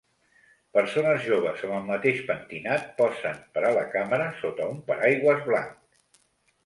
Persones joves amb el mateix pentinat posen per a la càmera sota un paraigües blanc.